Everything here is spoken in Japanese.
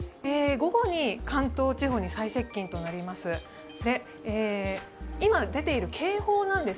午後に関東地方に最接近となります。